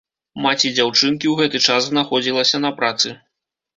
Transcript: Маці дзяўчынкі ў гэты час знаходзілася на працы.